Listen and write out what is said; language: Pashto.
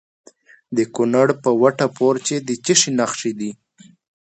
د کونړ په وټه پور کې د څه شي نښې دي؟